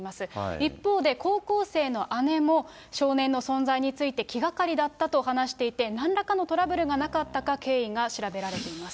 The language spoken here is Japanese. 一方で高校生の姉も、少年の存在について気がかりだったと話していて、なんらかのトラブルがなかったか経緯が調べられています。